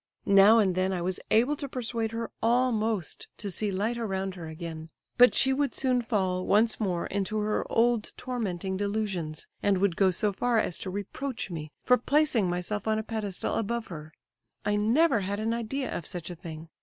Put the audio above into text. "Now and then I was able to persuade her almost to see light around her again; but she would soon fall, once more, into her old tormenting delusions, and would go so far as to reproach me for placing myself on a pedestal above her (I never had an idea of such a thing!)